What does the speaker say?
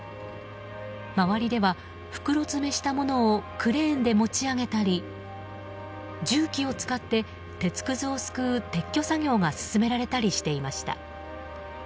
周りでは袋詰めしたものをクレーンで持ち上げたり重機を使って鉄くずをすくう撤去作業が進められたりしていました。